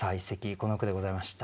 この句でございました。